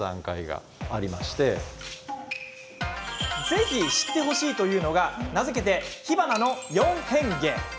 ぜひ知ってほしいというのが名付けて、火花の４変化！